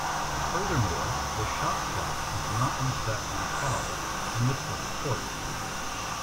Furthermore, the shot clock is not reset on a foul in the frontcourt.